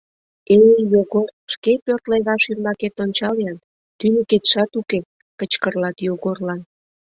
— Э, Йогор, шке пӧрт леваш ӱмбакет ончал-ян: тӱньыкетшат уке, — кычкырлат Йогорлан.